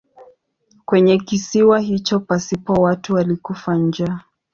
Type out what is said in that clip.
Kwenye kisiwa hicho pasipo watu alikufa njaa.